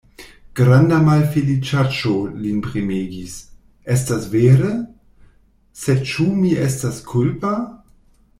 Granda malfeliĉaĵo lin premegis; estas vere: sed ĉu mi estas kulpa?